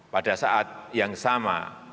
pada saat yang sama